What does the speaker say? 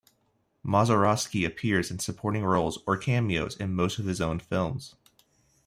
Mazursky appeared in supporting roles or cameos in most of his own films.